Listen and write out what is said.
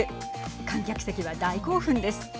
観客席は大興奮です。